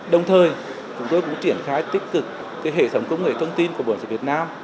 đồng thời chúng tôi cũng triển khai tích cực hệ thống công nghệ thông tin của bộ giáo dục việt nam